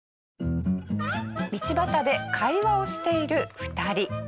道端で会話をしている２人。